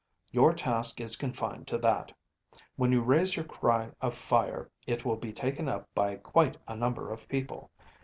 Your task is confined to that. When you raise your cry of fire, it will be taken up by quite a number of people.